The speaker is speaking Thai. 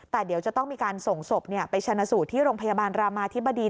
แต่เดี๋ยวจะต้องมีการส่งศพไปชนะสูตรที่โรงพยาบาลรามาธิบดี